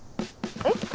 えっ？